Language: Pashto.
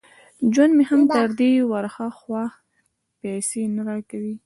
ژوند مې هم تر دې ور ها خوا پیسې نه را کوي